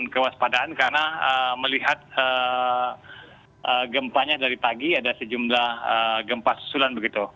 kewaspadaan karena melihat gempanya dari pagi ada sejumlah gempa susulan begitu